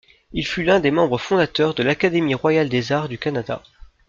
Il fut l'un des membres fondateurs de l'Académie royale des arts du Canada.